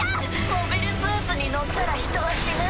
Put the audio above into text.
モビルスーツに乗ったら人は死ぬ。